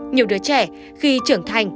nhiều đứa trẻ khi trưởng thành